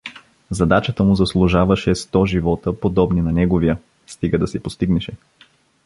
Задачата му заслужаваше сто живота подобни на неговия, стига да се постигнеше.